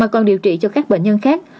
còn điều trị cho các bệnh nhân khác